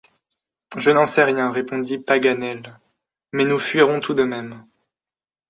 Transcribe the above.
Je n’en sais rien, répondit Paganel, mais nous fuirons tout de même.